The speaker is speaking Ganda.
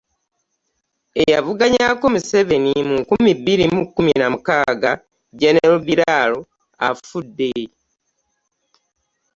Eyavuganyaako Museveni mu nkumi bbiri mu kkumi na mukaaga, genero Biraro afudde